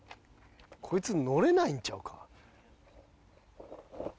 こいつ乗れないんちゃうか？